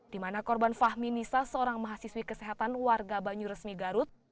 dimana korban fahmi nisa seorang mahasiswi kesehatan warga banyu resmi garut